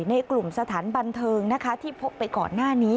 ในกลุ่มสถานบันเทิงนะคะที่พบไปก่อนหน้านี้